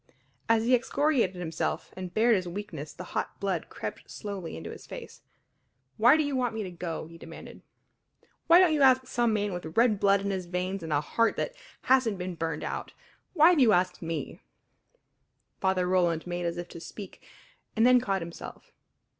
As he excoriated himself and bared his weakness the hot blood crept slowly into his face. "Why do you want me to go?" he demanded. "Why don't you ask some man with red blood in his veins and a heart that hasn't been burned out? Why have you asked me?" Father Roland made as if to speak, and then caught himself.